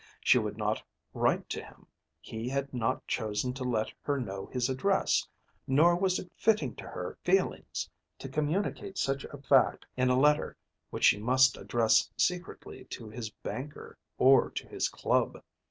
She would not write to him. He had not chosen to let her know his address; nor was it fitting to her feelings to communicate such a fact in a letter which she must address secretly to his banker or to his club.